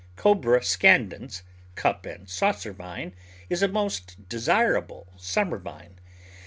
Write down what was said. Cobaea scandens ( Cup and Saucer Vine) is a most desirable summer vine.